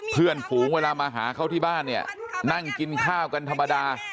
เพื่อนฝูงเวลามาหาเขาที่บ้านเนี่ยนั่งกินข้าวกันธรรมดา